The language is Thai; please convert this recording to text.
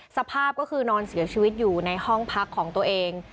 สภาพก็คือนอนเสียชีวิตอยู่ในห้องพักของตัวเอง